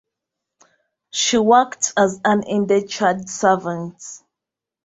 She worked as an indentured servant.